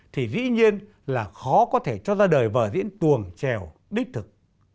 thì dĩ nhiên là khó có thể cho ra đời vở diễn tuồng trèo đích thực